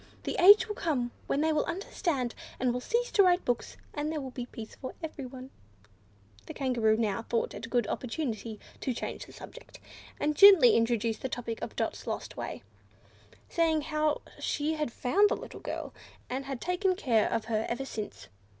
The age will come when they will understand, and will cease to write books, and there will be peace for everyone." The Kangaroo now thought it a good opportunity to change the subject, and gently introduced the topic of Dot's lost way, saying how she had found the little girl, and had taken care of her ever since.